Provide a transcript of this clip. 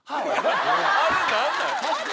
あれ何なん？